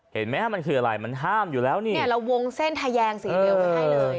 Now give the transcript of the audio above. เห็นไหมฮะมันคืออะไรมันห้ามอยู่แล้วนี่เนี่ยเราวงเส้นทะแยงสีเดียวไว้ให้เลย